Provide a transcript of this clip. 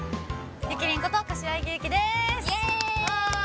ゆきりんこと、柏木由紀です。